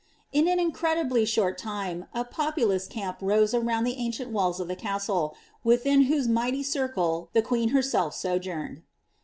In an incredibly short time a populons camp rast around the ancient walls of the castle, within whose mighty dida the f|iieen herself sojourned.